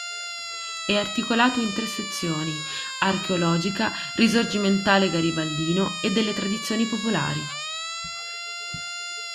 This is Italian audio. E’ articolato in tre sezioni "Archeologica, Risorgimentale garibaldino" e delle "tradizioni popolari".